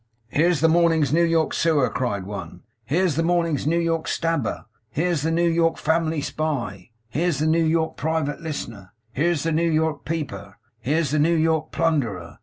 'Here's this morning's New York Sewer!' cried one. 'Here's this morning's New York Stabber! Here's the New York Family Spy! Here's the New York Private Listener! Here's the New York Peeper! Here's the New York Plunderer!